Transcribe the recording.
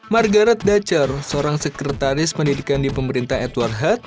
margaret dacer seorang sekretaris pendidikan di pemerintah edward head